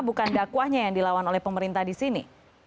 bukan dakwahnya yang dilawan oleh pemerintah di sini